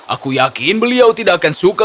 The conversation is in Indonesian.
aku yakin beliau tidak akan suka